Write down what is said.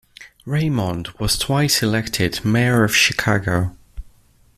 Raymond was twice elected mayor of Chicago.